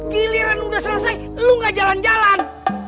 giliran udah selesai lu gak jalan jalan